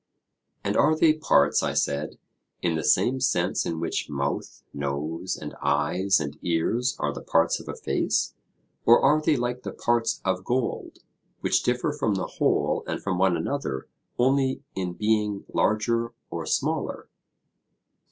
And are they parts, I said, in the same sense in which mouth, nose, and eyes, and ears, are the parts of a face; or are they like the parts of gold, which differ from the whole and from one another only in being larger or smaller?